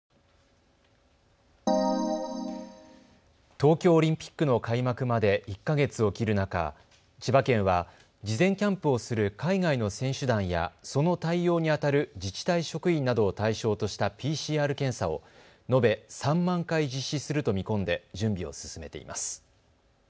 東京オリンピックの開幕まで１か月を切る中、千葉県は、事前キャンプをする海外の選手団やその対応にあたる自治体職員などを対象としたＰＣＲ検査を延べ３万回実施すると見込んで準備を進めています。